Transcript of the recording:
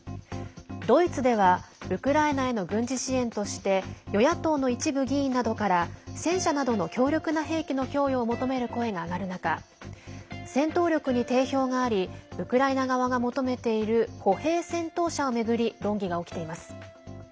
ドイツではウクライナへの軍事支援として与野党の一部議員などから戦車などの強力な兵器の供与を求める声が上がる中戦闘力に定評がありウクライナ側が求めている歩兵戦闘車を巡り論議が起きています。